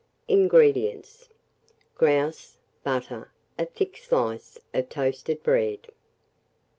INGREDIENTS. Grouse, butter, a thick slice of toasted bread.